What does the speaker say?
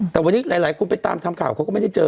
แต่วันนี้หลายคนไปตามทำข่าวเขาก็ไม่ได้เจอ